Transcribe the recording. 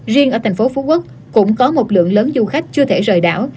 riêng ở tp phú quốc cũng có một lượng lớn du khách chưa thể rời đảo